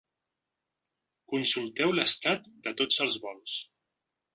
Consulteu l’estat de tots els vols.